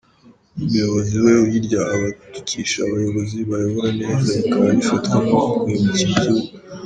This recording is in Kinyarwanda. Umuyobozi we uyirya aba atukisha abayobozi bayobora neza, bikaba bifatwa nko guhemukira igihugu.